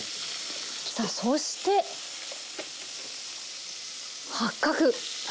さあそして八角。